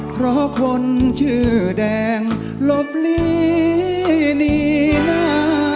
เพราะคนชื่อแดงหลบหลีหนีหน้า